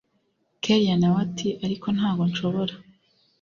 kellia nawe ati ariko ntago nshobora